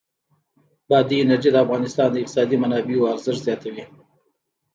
بادي انرژي د افغانستان د اقتصادي منابعو ارزښت زیاتوي.